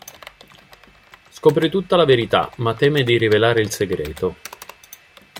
Scopre tutta la verità, ma teme di rivelare il segreto.